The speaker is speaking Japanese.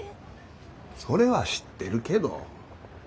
それは知ってるけど。